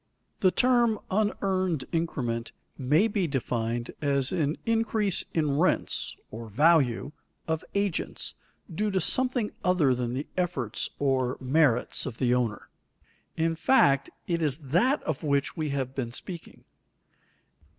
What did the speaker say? _ The term unearned increment may be defined as an increase in rents (or value) of agents, due to something other than the efforts or merits of the owner; in fact, it is that of which we have been speaking.